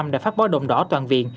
đã phát bó đồng đỏ toàn viện